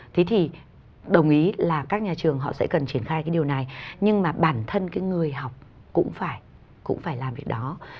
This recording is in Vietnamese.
thế thì đồng ý là các nhà trường họ sẽ cần triển khai cái điều này nhưng mà bản thân cái người học cũng phải làm việc đó